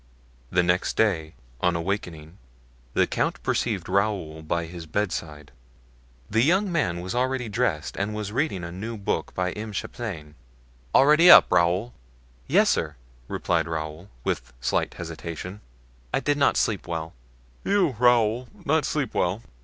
The next day, on awaking, the count perceived Raoul by his bedside. The young man was already dressed and was reading a new book by M. Chapelain. "Already up, Raoul?" exclaimed the count. "Yes, sir," replied Raoul, with slight hesitation; "I did not sleep well." "You, Raoul, not sleep well!